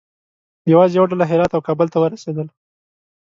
یوازې یوه ډله هرات او کابل ته ورسېدل.